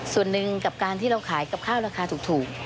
ส่วนหนึ่งกับการที่เราขายกับข้าวราคาถูก